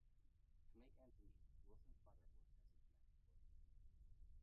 To make ends meet, Wilson's mother worked as a domestic worker.